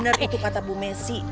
benar itu kata bu messi